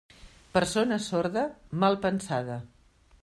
Persona sorda, mal pensada.